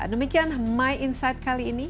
demikian my insight kali ini